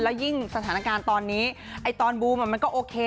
แล้วยิ่งสถานการณ์ตอนนี้ตอนบูมมันก็โอเค